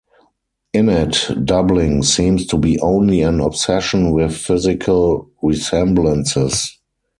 In it, doubling seems to be only an obsession with physical resemblances.